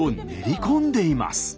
練り込んでいます。